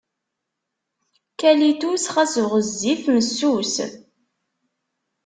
Kalitus, xas ɣezzif, messus.